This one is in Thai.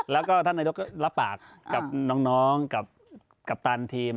แล้วก็ท่านนายกก็รับปากกับน้องกับกัปตันทีม